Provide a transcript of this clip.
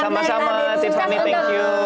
sama sama tips from me thank you